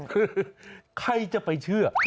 คือใครจะไปเชื่อ